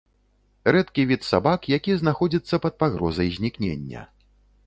Рэдкі від сабак, які знаходзіцца пад пагрозай знікнення.